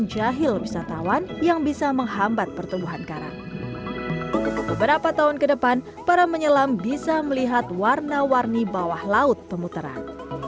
selain itu para penyelam juga bisa melihat warna warni bawah laut pemutaran